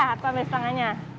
ah aku ambil setengahnya